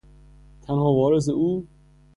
تنها وارث او